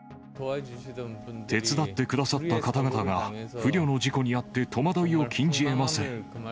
手伝ってくださった方々が、不慮の事故に遭って戸惑いを禁じえません。